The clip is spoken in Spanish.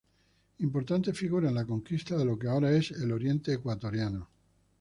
Importante figura en la conquista de lo que ahora es el Oriente ecuatoriano.